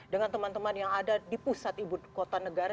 dengan teman teman yang ada di pusat ibu kota negara